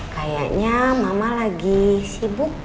kayaknya mama lagi sibuk